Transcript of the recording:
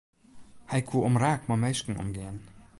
Hy koe omraak mei minsken omgean.